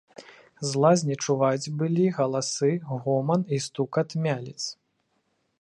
З лазні чуваць былі галасы, гоман і стукат мяліц.